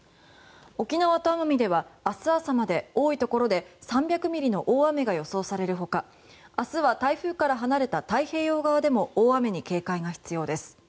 沖縄と奄美では明日朝まで多いところで３００ミリの大雨が予想される他明日は台風から離れた太平洋側でも大雨に警戒が必要です。